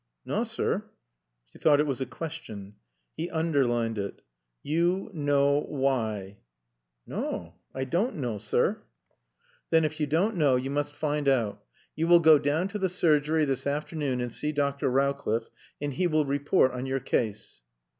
"Naw, sir." She thought it was a question. He underlined it. "You know why." "Naw. I doan' knaw, sir." "Then, if you don't know, you must find out. You will go down to the surgery this afternoon and see Dr. Rowcliffe, and he will report on your case."